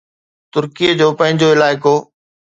ترڪي جو پنهنجو علائقو